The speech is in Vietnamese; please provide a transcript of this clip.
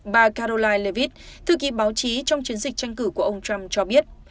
bà caroline leavitt thư ký báo chí trong chiến dịch tranh cử của ông trump cho biết